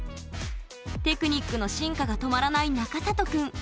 テクニックの進化が止まらない中里くん。